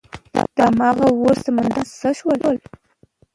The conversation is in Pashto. دهمغه اور سمندران څه شول؟